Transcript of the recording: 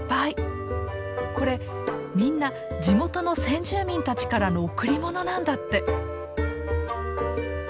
これみんな地元の先住民たちからの贈り物なんだって。